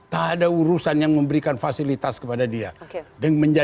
tak ada urusan yang memberikan fasilitas kepada dia